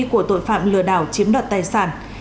của tội phạm lừa đảo chiếm đoạt tài sản